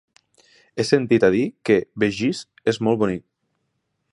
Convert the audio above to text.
He sentit a dir que Begís és molt bonic.